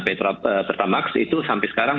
pertamax itu sampai sekarang